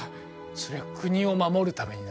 それは国を守るためにな。